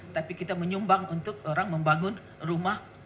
tapi kita menyumbang untuk orang membangun rumah